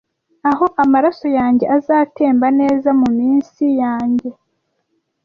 aho amaraso yanjye azatemba neza mumitsi yanjye